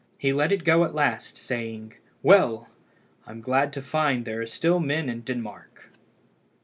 He let it go at last, saying "Well! I am glad to find there are still men in Denmark."